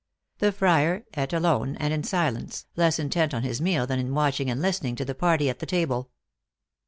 The friar eat alone and in silence, less intent on his meal than in watching and listening to the party at the table.